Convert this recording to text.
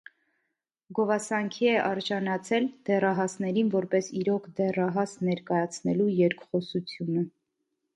Գովասանքի է արժանացել «դեռահասներին որպես իրոք դեռահաս» ներկայացնելու երկխոսությունը։